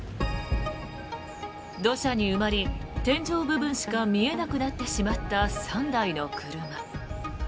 土砂に埋まり、天井部分しか見えなくなってしまった３台の車。